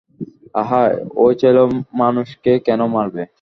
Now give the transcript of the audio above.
আহা, ঐ ছেলেমানুষকে কেন মারবে?